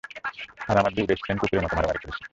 আর আমার দুই best friend কুকুরের মতো মারামারি করছে!